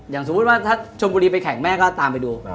อย่างสมมติว่าชมบุรีไปแข่งแม่ก็ตามไปดู